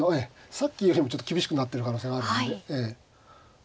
さっきよりもちょっと厳しくなってる可能性があるんで。